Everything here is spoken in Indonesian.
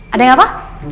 ada yang apa